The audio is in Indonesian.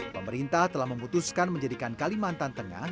pemerintah telah memutuskan menjadikan kalimantan tengah